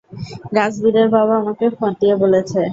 রাজবীরের বাবা আমাকে ফোন দিয়ে বলেছে।